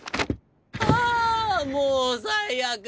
ああもう最悪！